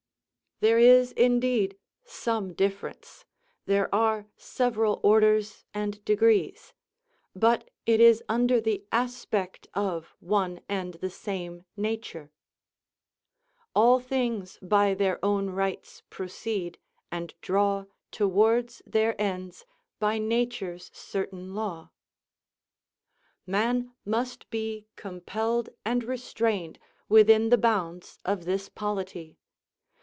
There is, indeed, some difference, there are several orders and degrees; but it is under the aspect of one and the same nature: "All things by their own rites proceed, and draw Towards their ends, by nature's certain law." Man must be compelled and restrained within the bounds of this polity.